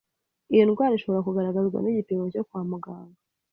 Iyo ndwara ishobora kugaragazwa n’igipimo cyo kwa muganga